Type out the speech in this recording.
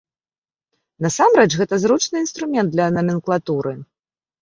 Насамрэч, гэта зручны інструмент для наменклатуры.